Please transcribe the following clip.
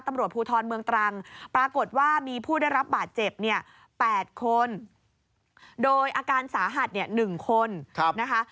ตำรวจภูทรเมืองตรังปรากฏว่ามีผู้ได้รับบาดเจ็บเนี่ย๘คนโดยอาการสาหัสเนี่ย๑คนนะคะ